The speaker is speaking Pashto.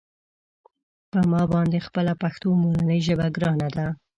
په ما باندې خپله پښتو مورنۍ ژبه ګرانه ده.